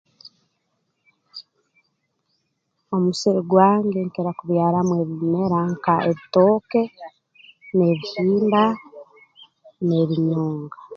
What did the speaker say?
Omu musiri gwange nkira kubyaramu ebimera nka ebitooke n'ebihimba n'ebinyonga